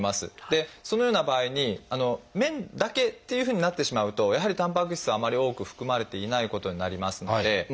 でそのような場合に麺だけっていうふうになってしまうとやはりたんぱく質はあまり多く含まれていないことになりますのでそれに加えてですね